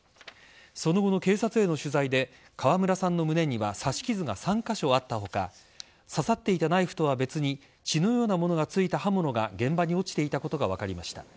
その後の警察への取材で川村さんの胸には刺し傷が３カ所あった他刺さっていたナイフとは別に血のようなものがついた刃物が現場に落ちていたことが分かりました。